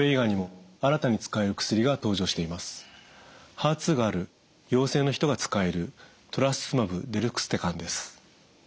ＨＥＲ２がある陽性の人が使えるトラスツズマブデルクステカンです。